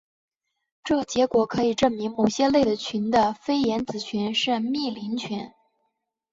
这结果可以证明某些类的群的菲廷子群是幂零群。